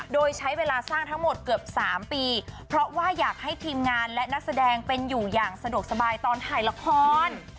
โดยใช้เวลาสร้างทั้งหมดเกือบ๓ปีเพราะว่าอยากให้ทีมงานและนักแสดงเป็นอยู่อย่างสะดวกสบายตอนถ่ายละคร